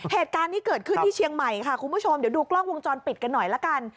เหตุการณ์นี้เกิดขึ้นที่เชียงใหม่ค่ะคุณผู้ชมเดี๋ยวดูกล้องวงจรปิดกันหน่อยละกัน